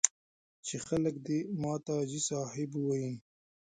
چې خلک دې ماته حاجي صاحب ووایي.